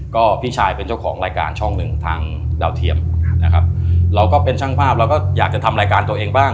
ก็พี่ชายเป็นเจ้าของรายการช่องหนึ่งทางดาวเทียมนะครับเราก็เป็นช่างภาพเราก็อยากจะทำรายการตัวเองบ้าง